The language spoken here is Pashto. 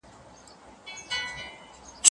چي په سختو بدو ورځو د بلا مخ ته دریږي